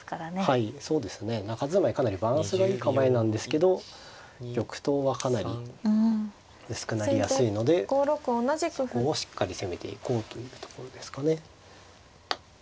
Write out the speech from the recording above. はいそうですね中住まいかなりバランスがいい構えなんですけど玉頭はかなり薄くなりやすいのでそこをしっかり攻めていこうというところですかね。